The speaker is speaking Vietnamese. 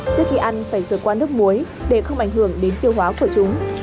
trước khi ăn phải rửa qua nước muối để không ảnh hưởng đến tiêu hóa của chúng